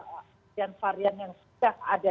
varian varian yang sudah ada